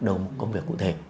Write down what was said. đầu công việc cụ thể